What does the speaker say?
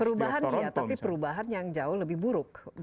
perubahan iya tapi perubahan yang jauh lebih buruk